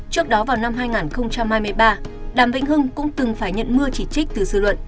trước đó vào năm hai nghìn hai mươi ba đàm vĩnh hưng cũng từng phải nhận mưa chỉ trích từ dư luận